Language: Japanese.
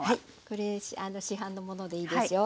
これ市販のものでいいですよ。